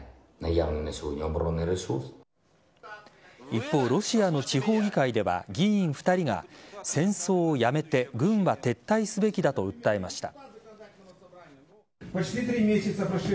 一方、ロシアの地方議会では議員２人が戦争をやめて軍は撤退すべきだと訴えました。